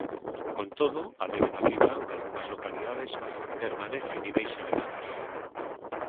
Con todo, a débeda viva dalgunhas localidades permanece en niveis elevados.